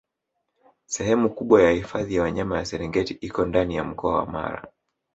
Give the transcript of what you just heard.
Sehemu kubwa ya hifadhi ya Wanyama ya Serengeti iko ndani ya mkoa wa Mara